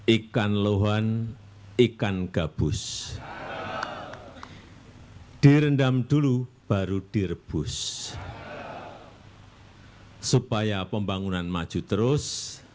ikan lohan ikan gabus direndam dulu baru direbus supaya pembangunan maju terus